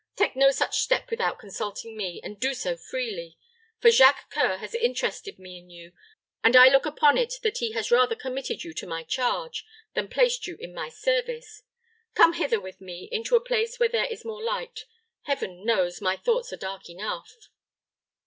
Take no such step without consulting me, and do so freely; for Jacques C[oe]ur has interested me in you, and I look upon it that he has rather committed you to my charge, than placed you in my service. Come hither with me into a place where there is more light. Heaven knows, my thoughts are dark enough."